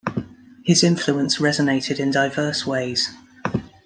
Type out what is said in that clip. His influence resonated in diverse ways.